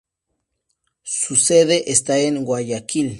Su sede está en Guayaquil.